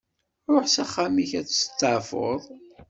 Ruḥ s axxam-ik ad testeɛfuḍ.